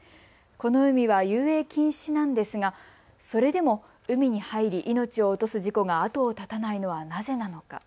この海は遊泳禁止なんですがそれでも海に入り命を落とす事故が後を絶たないのはなぜなのか。